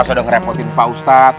saya udah ngerepotin pak ustadz